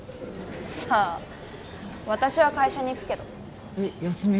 さあ私は会社に行くけどえっ